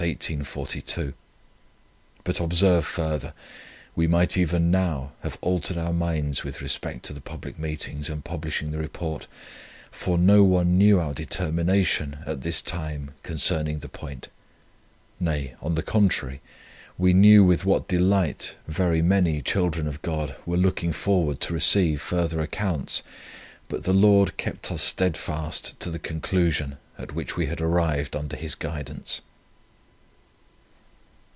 But observe further: We might even now have altered our minds with respect to the public meetings and publishing the Report; for no one knew our determination, at this time, concerning the point. Nay, on the contrary, we knew with what delight very many children of God were looking forward to receive further accounts. But the Lord kept us steadfast to the conclusion, at which we had arrived under His guidance."